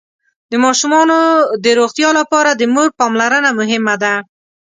د ماشومانو د روغتيا لپاره د مور پاملرنه مهمه ده.